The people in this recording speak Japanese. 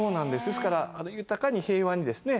ですから豊かに平和にですね